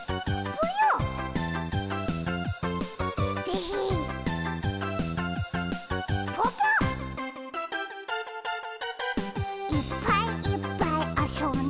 ぽぽ「いっぱいいっぱいあそんで」